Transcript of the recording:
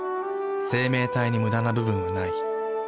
生命体にムダな部分はない。